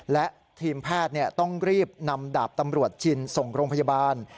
และทีมแพทย์ต้องรีบนำดาบตำรวจชินส่งโรงพยาบาล